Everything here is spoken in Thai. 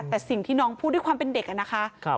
แต่สิ่งที่น้องพูดด้วยความเป็นเด็กนะคะ